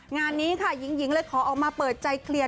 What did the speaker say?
งานนี้ค่ะหญิงหญิงเลยขอออกมาเปิดใจเคลียร์